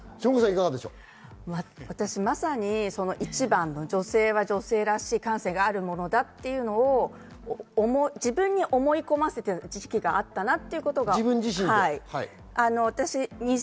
私まさに一番の女性は女性らしい感性があるものだというのを自分に思い込ませている時期があったなと。